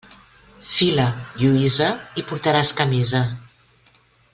Fila, Lluïsa, i portaràs camisa.